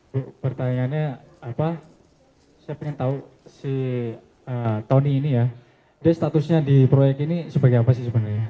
bu pertanyaannya apa saya ingin tahu si tony ini ya dia statusnya di proyek ini sebagai apa sih sebenarnya